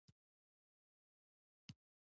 رینالډي وویل: په لوړ آواز خبرې مه کوه، مه غږېږه.